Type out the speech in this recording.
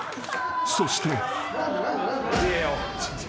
［そして］